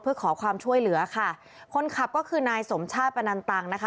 เพื่อขอความช่วยเหลือค่ะคนขับก็คือนายสมชาติประนันตังนะคะ